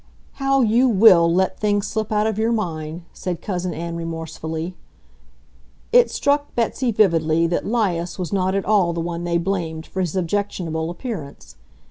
"How you WILL let things slip out of your mind!" said Cousin Ann remorsefully. It struck Betsy vividly that 'Lias was not at all the one they blamed for his objectionable appearance.